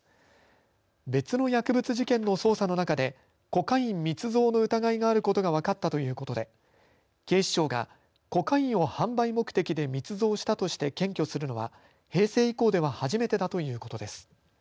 別の薬物事件の捜査の中でコカイン密造の疑いがあることが分かったということで警視庁がコカインを販売目的で密造したとして検挙するのは、平成以降では初めてだということです。